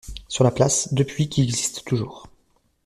Sur la place, deux puits qui existent toujours.